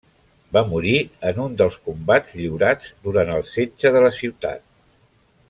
Va morir en un dels combats lliurats durant el setge de la ciutat.